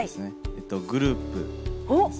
えっとグループです。